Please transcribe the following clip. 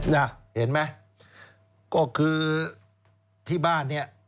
น่ะเห็นไหมก็คือที่บ้านเนี่ย